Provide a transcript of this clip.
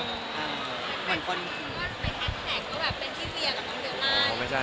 เหมือนคนไปแท็กก็เป็นที่เซียกับน้องเวียมาก